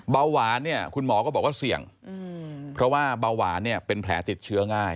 เบาหวานเนี่ยคุณหมอก็บอกว่าเสี่ยงเพราะว่าเบาหวานเนี่ยเป็นแผลติดเชื้อง่าย